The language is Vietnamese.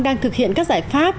đang thực hiện các giải pháp